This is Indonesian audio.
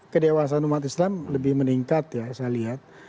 kedewasan umat islam lebih meningkat ya saya lihat